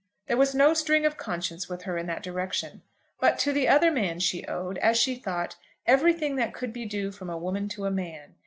There was no sting of conscience with her in that direction. But to the other man she owed, as she thought, everything that could be due from a woman to a man.